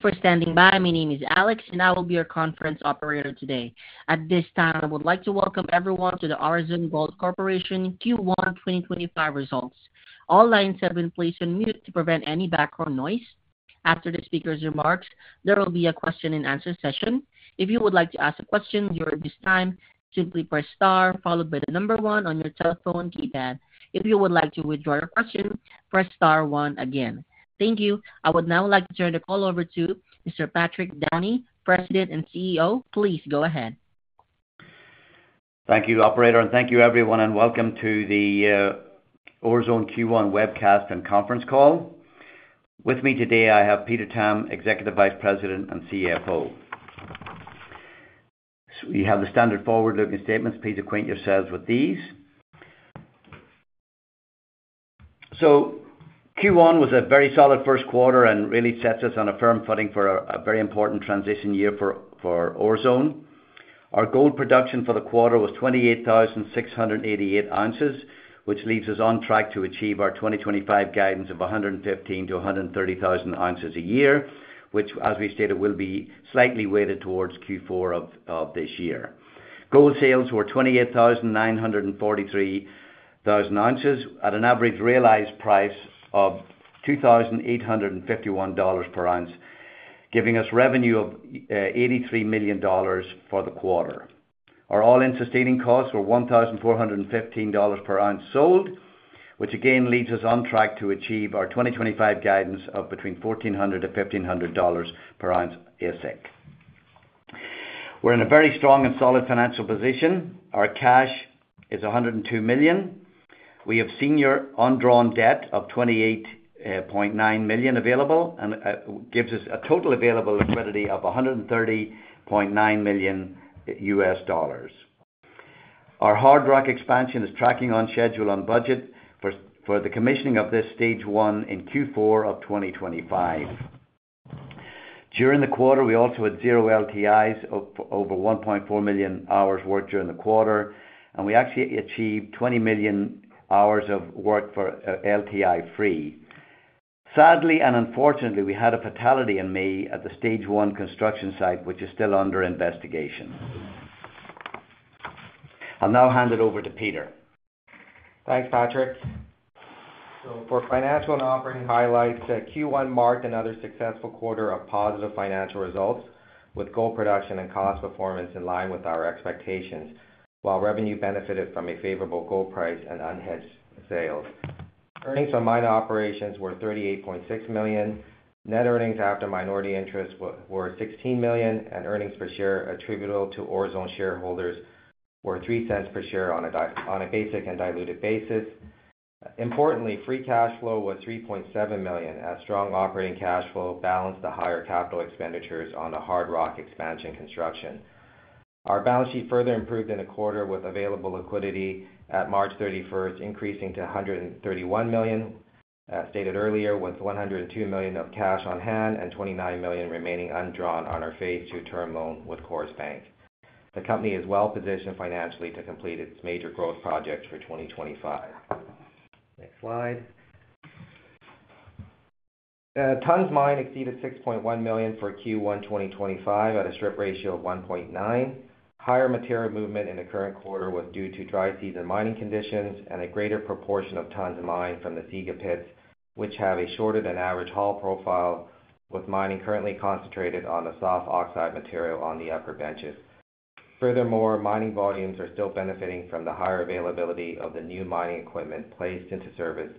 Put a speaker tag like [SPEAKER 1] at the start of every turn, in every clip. [SPEAKER 1] For standing by, my name is Alex, and I will be your conference operator today. At this time, I would like to welcome everyone to the Orezone Gold Corporation Q1 2025 results. All lines have been placed on mute to prevent any background noise. After the speaker's remarks, there will be a question-and-answer session. If you would like to ask a question during this time, simply press star followed by the number one on your telephone keypad. If you would like to withdraw your question, press star one again. Thank you. I would now like to turn the call over to Mr. Patrick Downey, President and CEO. Please go ahead.
[SPEAKER 2] Thank you, Operator, and thank you, everyone, and welcome to the Orezone Q1 webcast and conference call. With me today, I have Peter Tam, Executive Vice President and CFO. We have the standard forward-looking statements. Please acquaint yourselves with these. Q1 was a very solid first quarter and really sets us on a firm footing for a very important transition year for Orezone. Our gold production for the quarter was 28,688 ounces, which leaves us on track to achieve our 2025 guidance of 115,000-130,000 ounces a year, which, as we stated, will be slightly weighted towards Q4 of this year. Gold sales were 28,943 ounces at an average realized price of $2,851 per ounce, giving us revenue of $83 million for the quarter. Our all-in sustaining costs were $1,415 per ounce sold, which again leaves us on track to achieve our 2025 guidance of between $1,400-$1,500 per ounce AISC. We're in a very strong and solid financial position. Our cash is $102 million. We have senior undrawn debt of $28.9 million available and gives us a total available liquidity of $130.9 million. Our hard rock expansion is tracking on schedule, on budget for the commissioning of this stage one in Q4 of 2025. During the quarter, we also had zero LTIs over 1.4 million hours worked during the quarter, and we actually achieved 20 million hours of work LTI free. Sadly and unfortunately, we had a fatality in May at the stage one construction site, which is still under investigation. I'll now hand it over to Peter.
[SPEAKER 3] Thanks, Patrick. For financial and operating highlights, Q1 marked another successful quarter of positive financial results with gold production and cost performance in line with our expectations, while revenue benefited from a favorable gold price and unhedged sales. Earnings from minor operations were $38.6 million. Net earnings after minority interest were $16 million, and earnings per share attributable to Orezone shareholders were $0.03 per share on a basic and diluted basis. Importantly, free cash flow was $3.7 million as strong operating cash flow balanced the higher capital expenditures on the hard rock expansion construction. Our balance sheet further improved in the quarter with available liquidity at March 31, increasing to $131 million. As stated earlier, with $102 million of cash on hand and $29 million remaining undrawn on our phase two term loan with CIBC, the company is well positioned financially to complete its major growth projects for 2025. Next slide. Tons mined exceeded 6.1 million for Q1 2025 at a strip ratio of 1.9. Higher material movement in the current quarter was due to dry season mining conditions and a greater proportion of tons mined from the Sega pits, which have a shorter than average haul profile, with mining currently concentrated on the soft oxide material on the upper benches. Furthermore, mining volumes are still benefiting from the higher availability of the new mining equipment placed into service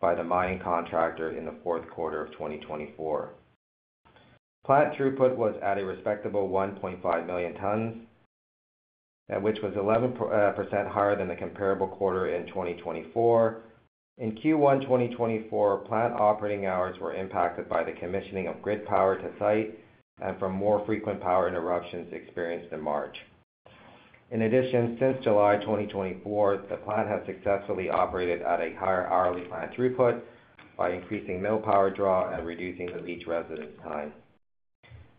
[SPEAKER 3] by the mining contractor in the fourth quarter of 2024. Plant throughput was at a respectable 1.5 million tons, which was 11% higher than the comparable quarter in 2024. In Q1 2024, plant operating hours were impacted by the commissioning of grid power to site and from more frequent power interruptions experienced in March. In addition, since July 2024, the plant has successfully operated at a higher hourly plant throughput by increasing mill power draw and reducing the leach residence time.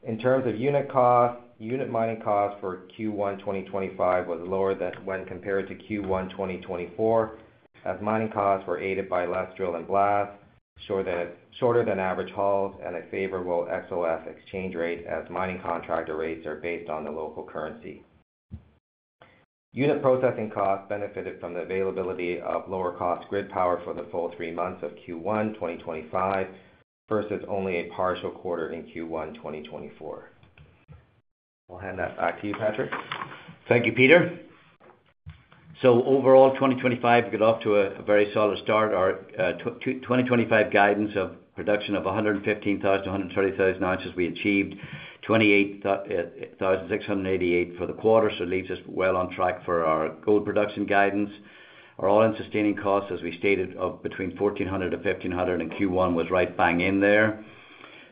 [SPEAKER 3] In terms of unit cost, unit mining cost for Q1 2025 was lower than when compared to Q1 2024, as mining costs were aided by less drill and blast, shorter than average hulls, and a favorable XOF exchange rate, as mining contractor rates are based on the local currency. Unit processing costs benefited from the availability oflower-costt grid power for the full three months of Q1 2025 versus only a partial quarter in Q1 2024. I'll hand that back to you, Patrick.
[SPEAKER 2] Thank you, Peter. Overall, 2025, we got off to a very solid start. Our 2025 guidance of production of 115,000-130,000 ounces, we achieved 28,688 for the quarter, so it leaves us well on track for our gold production guidance. Our all-in sustaining cost, as we stated, of between $1,400-$1,500 in Q1 was right bang in there.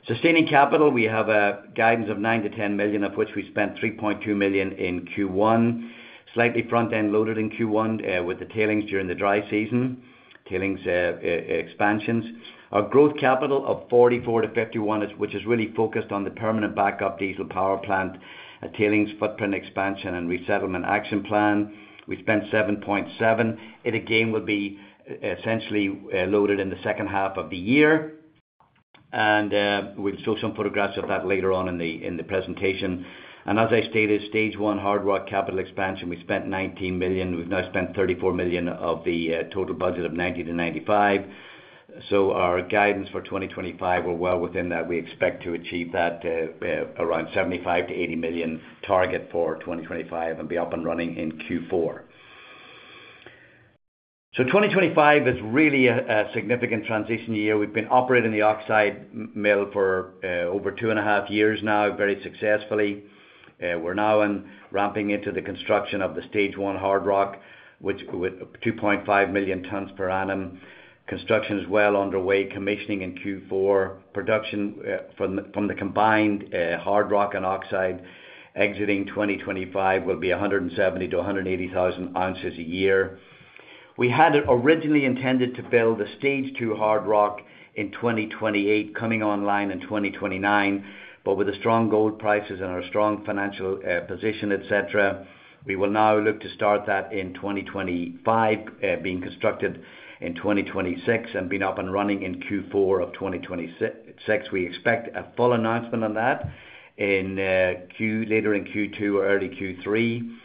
[SPEAKER 2] Sustaining capital, we have a guidance of $9 million-$10 million, of which we spent $3.2 million in Q1, slightly front-end loaded in Q1 with the tailings during the dry season, tailings expansions. Our growth capital of $44 million-$51 million, which is really focused on the permanent backup diesel power plant, tailings footprint expansion, and resettlement action plan, we spent $7.7 million. It, again, will be essentially loaded in the second half of the year, and we'll show some photographs of that later on in the presentation. As I stated, stage hard rock capital expansion, we spent $19 million. We've now spent $34 million of the total budget of $90 milion-$95 million. Our guidance for 2025, we're well within that. We expect to achieve that around the $75 million-$80 million target for 2025 and be up and running in Q4. 2025 is really a significant transition year. We've been operating the oxide mill for over two and a half years now, very successfully. We're now ramping into the construction of the stage one hard rock, which with 2.5 million tons per annum. Construction is well underway. Commissioning in Q4. Production from the combined hard rock and oxide exiting 2025 will be 170,000-180,000 ounces a year. We had originally intended to build a stage two hard rock in 2028, coming online in 2029, but with the strong gold prices and our strong financial position, etc., we will now look to start that in 2025, being constructed in 2026 and being up and running in Q4 of 2026. We expect a full announcement on that later in Q2 or early Q3.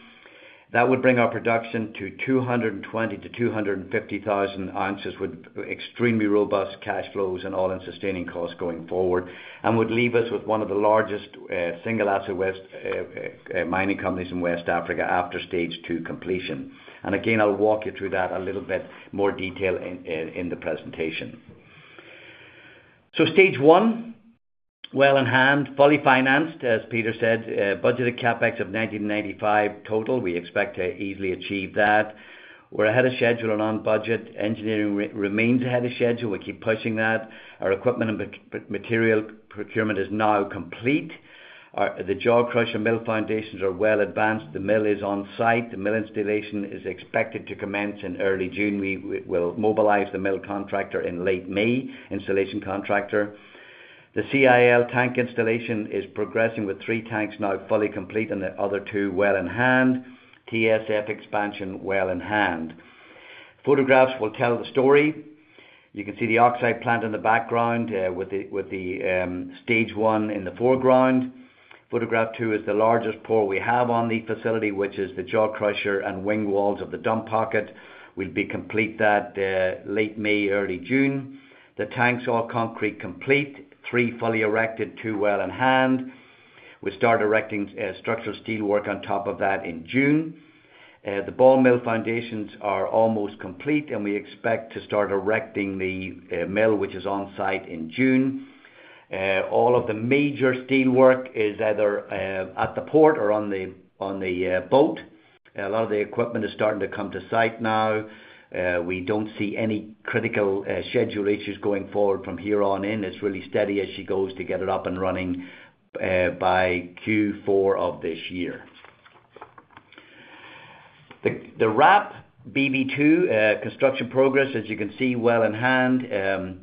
[SPEAKER 2] That would bring our production to 220,000-250,000 ounces with extremely robust cash flows and all-in sustaining costs going forward and would leave us with one of the largest single-asset mining companies in West Africa after stage two completion. I will walk you through that a little bit more detail in the presentation. Stage one, well in hand, fully financed, as Peter said, budgeted CapEx of $90 million-$95 million total. We expect to easily achieve that. We are ahead of schedule and on budget. Engineering remains ahead of schedule. We keep pushing that. Our equipment and material procurement is now complete. The jaw crusher mill foundations are well advanced. The mill is on site. The mill installation is expected to commence in early June. We will mobilize the mill contractor in late May, installation contractor. The CIL tank installation is progressing with three tanks now fully complete and the other two well in hand. TSF expansion well in hand. Photographs will tell the story. You can see the oxide plant in the background with the stage one in the foreground. Photograph two is the largest pour we have on the facility, which is the jaw crusher and wing walls of the dump pocket. We'll be complete that late May, early June. The tanks all concrete complete, three fully erected, two well in hand. We start erecting structural steel work on top of that in June. The ball mill foundations are almost complete, and we expect to start erecting the mill, which is on site, in June. All of the major steel work is either at the port or on the boat. A lot of the equipment is starting to come to site now. We do not see any critical schedule issues going forward from here on in. It is really steady as she goes to get it up and running by Q4 of this year. The wrap BB2 construction progress, as you can see, well in hand.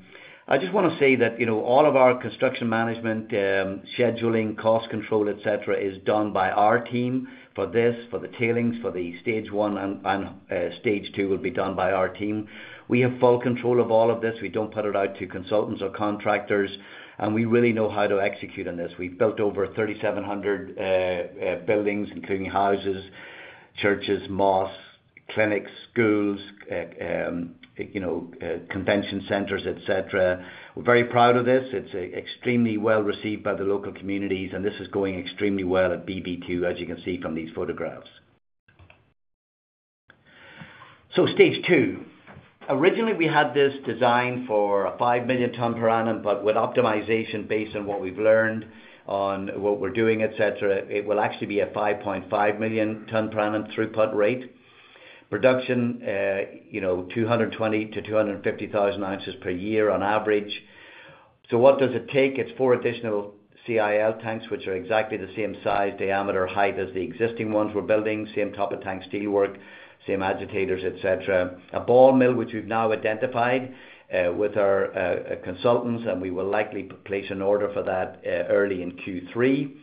[SPEAKER 2] I just want to say that all of our construction management scheduling, cost control, etc., is done by our team for this, for the tailings, for the stage one and stage two will be done by our team. We have full control of all of this. We don't put it out to consultants or contractors, and we really know how to execute on this. We've built over 3,700 buildings, including houses, churches, mosques, clinics, schools, convention centers, etc. We're very proud of this. It's extremely well received by the local communities, and this is going extremely well at BB2, as you can see from these photographs. Stage two. Originally, we had this design for a 5 million ton per annum, but with optimization based on what we've learned on what we're doing, etc., it will actually be a 5.5 million ton per annum throughput rate. Production 220,000-250,000 ounces per year on average. What does it take? It's four additional CIL tanks, which are exactly the same size, diameter, height as the existing ones we're building, same top of tank steel work, same agitators, etc. A ball mill, which we've now identified with our consultants, and we will likely place an order for that early in Q3.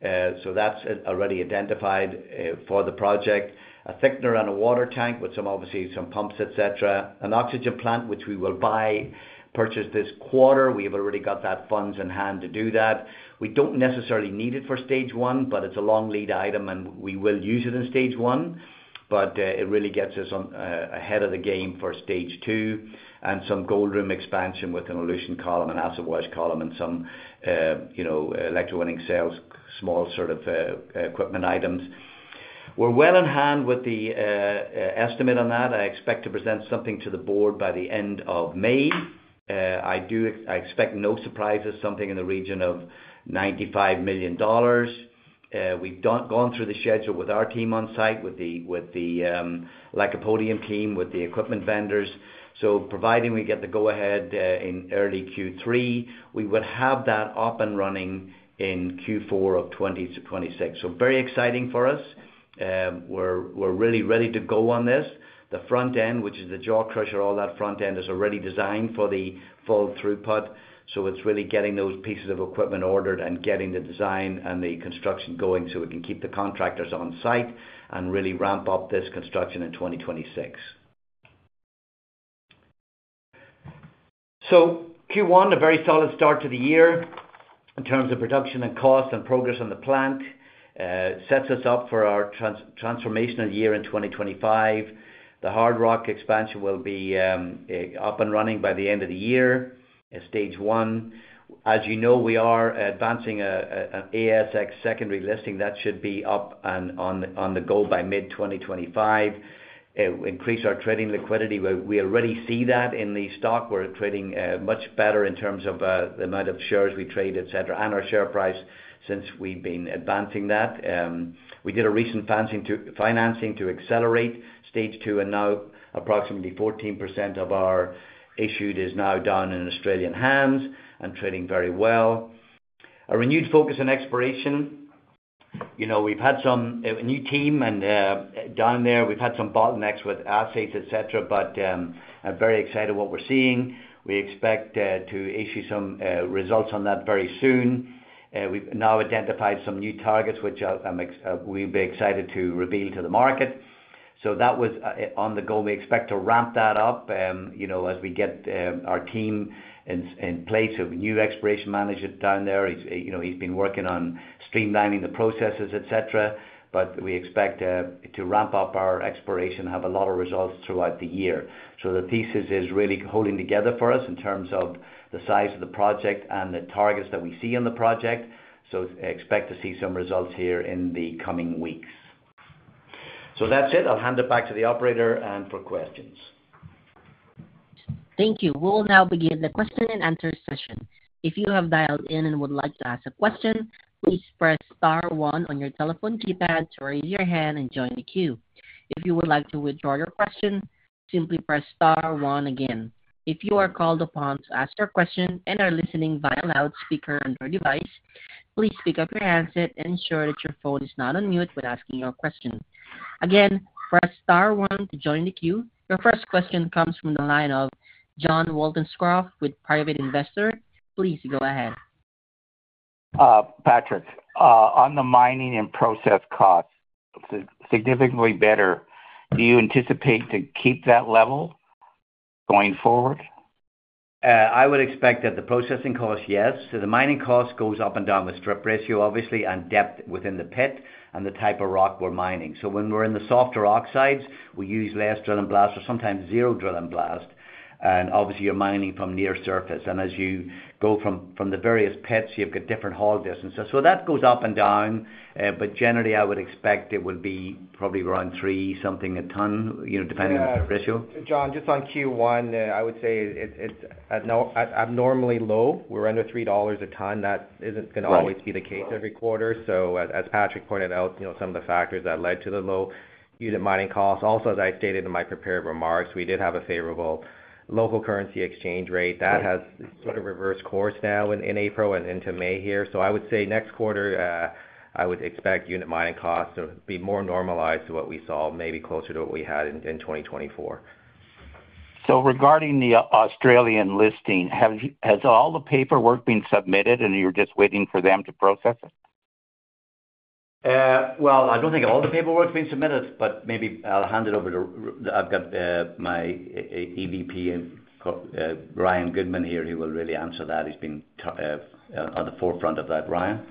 [SPEAKER 2] That is already identified for the project. A thickener and a water tank with some pumps, etc. An oxygen plant, which we will buy, purchase this quarter. We have already got those funds in hand to do that. We do not necessarily need it for stage one, but it is a long lead item, and we will use it in stage one. It really gets us ahead of the game for stage two and some gold room expansion with an elution column and acid wash column and some electrolytic sales, small sort of equipment items. We are well in hand with the estimate on that. I expect to present something to the board by the end of May. I expect no surprises, something in the region of $95 million. We've gone through the schedule with our team on site, with the Lycopodium team, with the equipment vendors. Providing we get the go-ahead in early Q3, we will have that up and running in Q4 of 2026. Very exciting for us. We're really ready to go on this. The front end, which is the jaw crusher, all that front end is already designed for the full throughput. It's really getting those pieces of equipment ordered and getting the design and the construction going so we can keep the contractors on site and really ramp up this construction in 2026. Q1, a very solid start to the year in terms of production and cost and progress on the plant. It sets us up for our transformational year in 2025. The hard rock expansion will be up and running by the end of the year at stage one. As you know, we are advancing an ASX secondary listing. That should be up on the goal by mid-2025. Increase our trading liquidity. We already see that in the stock. We're trading much better in terms of the amount of shares we trade, etc., and our share price since we've been advancing that. We did a recent financing to accelerate stage two, and now approximately 14% of our issued is now down in Australian hands and trading very well. A renewed focus on exploration. We've had some new team down there. We've had some bottlenecks with assays, etc., but very excited what we're seeing. We expect to issue some results on that very soon. We've now identified some new targets, which we'll be excited to reveal to the market. That was on the goal. We expect to ramp that up as we get our team in place of new exploration management down there. He's been working on streamlining the processes, etc., but we expect to ramp up our exploration, have a lot of results throughout the year. The thesis is really holding together for us in terms of the size of the project and the targets that we see on the project. Expect to see some results here in the coming weeks. That's it. I'll hand it back to the operator and for questions.
[SPEAKER 1] Thank you. We'll now begin the question and answer session. If you have dialed in and would like to ask a question, please press star one on your telephone keypad to raise your hand and join the queue. If you would like to withdraw your question, simply press star one again. If you are called upon to ask your question and are listening via loudspeaker on your device, please pick up your handset and ensure that your phone is not on mute when asking your question. Again, press star one to join the queue. Your first question comes from the line of John Walton-Scroff with Private Investor. Please go ahead.
[SPEAKER 4] Patrick, on the mining and process costs, significantly better. Do you anticipate to keep that level going forward?
[SPEAKER 2] I would expect that the processing cost, yes. The mining cost goes up and down with strip ratio, obviously, and depth within the pit and the type of rock we're mining. When we're in the softer oxides, we use less drill and blast or sometimes zero drill and blast. Obviously, you're mining from near surface. As you go from the various pits, you've got different haul distances. That goes up and down, but generally, I would expect it would be probably around $3 something a ton, depending on the ratio.
[SPEAKER 3] John, just on Q1, I would say it's abnormally low. We're under $3 a ton. That isn't going to always be the case every quarter. As Patrick pointed out, some of the factors that led to the low unit mining costs. Also, as I stated in my prepared remarks, we did have a favorable local currency exchange rate. That has sort of reversed course now in April and into May here. I would say next quarter, I would expect unit mining costs to be more normalized to what we saw, maybe closer to what we had in 2024.
[SPEAKER 5] Regarding the Australian listing, has all the paperwork been submitted, and you're just waiting for them to process it?
[SPEAKER 3] I don't think all the paperwork has been submitted, but maybe I'll hand it over to, I've got my EVP and Ryan Goodman here. He will really answer that. He's been on the forefront of that, Ryan.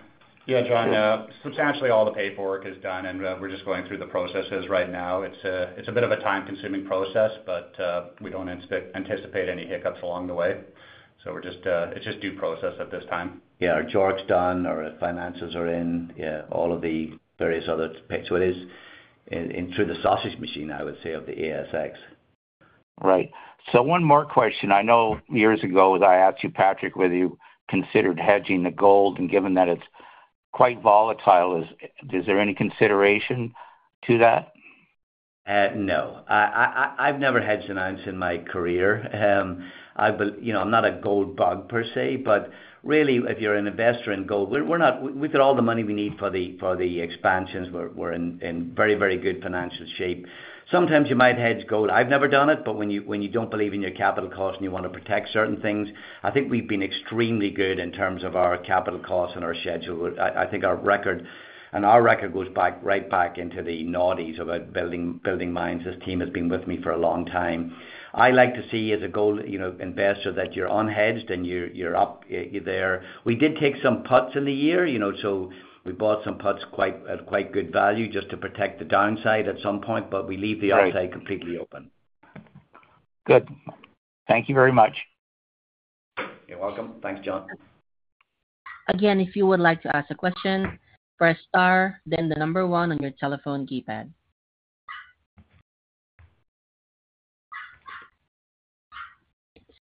[SPEAKER 6] Yeah, John, substantially all the paperwork is done, and we're just going through the processes right now. It's a bit of a time-consuming process, but we don't anticipate any hiccups along the way. It's just due process at this time.
[SPEAKER 2] Yeah, our jarg's done or the finances are in, all of the various other pits. So it is through the sausage machine, I would say, of the ASX.
[SPEAKER 4] Right. So one more question. I know years ago, as I asked you, Patrick, whether you considered hedging the gold, and given that it's quite volatile, is there any consideration to that?
[SPEAKER 2] No. I've never hedged an ounce in my career. I'm not a gold bug per se, but really, if you're an investor in gold, with all the money we need for the expansions, we're in very, very good financial shape. Sometimes you might hedge gold. I've never done it, but when you don't believe in your capital cost and you want to protect certain things, I think we've been extremely good in terms of our capital costs and our schedule. I think our record and our record goes right back into the noughties about building mines. This team has been with me for a long time. I like to see as a gold investor that you're unhedged and you're up there. We did take some puts in the year, so we bought some puts at quite good value just to protect the downside at some point, but we leave the upside completely open.
[SPEAKER 5] Good. Thank you very much.
[SPEAKER 2] You're welcome. Thanks, John.
[SPEAKER 1] Again, if you would like to ask a question, press star, then the number one on your telephone keypad.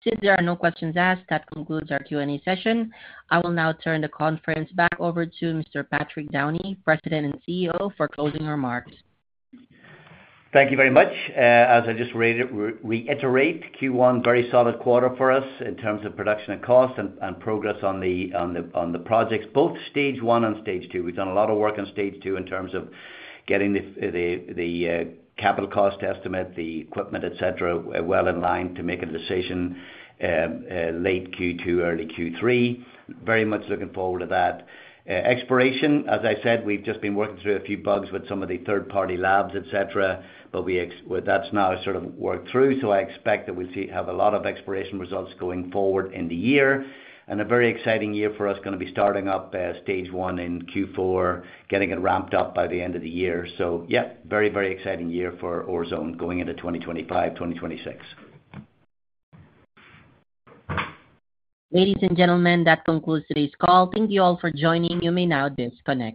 [SPEAKER 1] Since there are no questions asked, that concludes our Q&A session. I will now turn the conference back over to Mr. Patrick Downey, President and CEO, for closing remarks.
[SPEAKER 2] Thank you very much. As I just reiterate, Q1, very solid quarter for us in terms of production and cost and progress on the projects, both stage one and stage two. We've done a lot of work on stage two in terms of getting the capital cost estimate, the equipment, etc., well in line to make a decision late Q2, early Q3. Very much looking forward to that. Exploration, as I said, we've just been working through a few bugs with some of the third-party labs, etc., but that's now sort of worked through. I expect that we'll have a lot of exploration results going forward in the year. A very exciting year for us going to be starting up stage one in Q4, getting it ramped up by the end of the year. Very, very exciting year for Orezone going into 2025, 2026.
[SPEAKER 4] Ladies and gentlemen, that concludes today's call. Thank you all for joining. You may now disconnect.